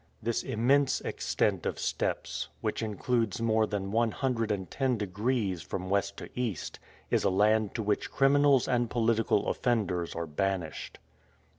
This immense extent of steppes, which includes more than one hundred and ten degrees from west to east, is a land to which criminals and political offenders are banished.